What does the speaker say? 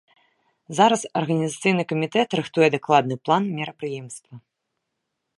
Зараз арганізацыйны камітэт рыхтуе дакладны план мерапрыемства.